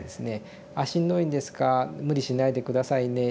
「しんどいんですか無理しないで下さいね